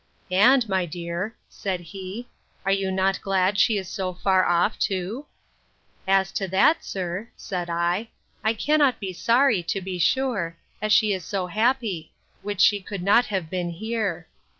—And, my dear, said he, are you not glad she is so far off too?—As to that, sir, said I, I cannot be sorry, to be sure, as she is so happy; which she could not have been here.